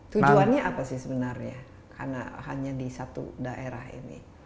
tujuannya apa sih sebenarnya karena hanya di satu daerah ini